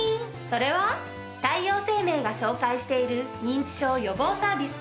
それは太陽生命が紹介している認知症予防サービス